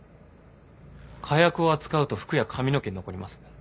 火薬を扱うと服や髪の毛に残ります。